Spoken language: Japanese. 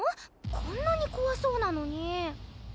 こんなに怖そうなのに。